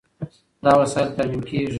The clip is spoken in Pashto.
دا وسایل ترمیم کېږي.